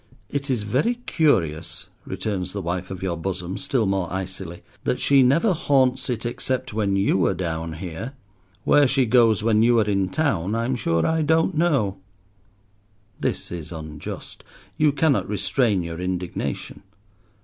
"It is very curious," returns the wife of your bosom, still more icily, "that she never haunts it except when you are down here. Where she goes when you are in town I'm sure I don't know." This is unjust. You cannot restrain your indignation.